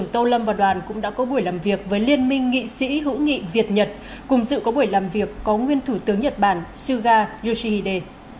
tại buổi làm việc có nguyên thủ tướng nhật bản suga yoshihide